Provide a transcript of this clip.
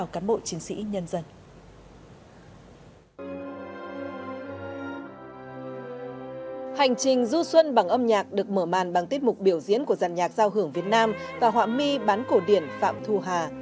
các bảng âm nhạc được mở màn bằng tiết mục biểu diễn của dàn nhạc giao hưởng việt nam và họa mi bán cổ điển phạm thu hà